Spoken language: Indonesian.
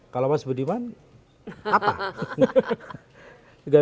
kalau mas budiman apa